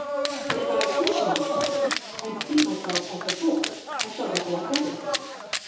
But if I return to my study and seat myself as before, I shall recollect every thing.